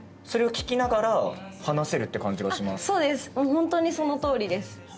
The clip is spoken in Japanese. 本当にそのとおりです。